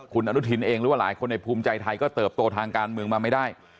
คุณอนุทินเองหรือว่าหลายคนในภูมิใจไทยก็เติบโตทางการเมืองมาไม่ได้